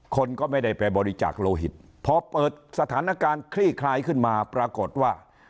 คนก็ไม่ได้ไปบริจาคโลหิตพอเปิดสถานการณ์คลี่คลายขึ้นมาปรากฏว่า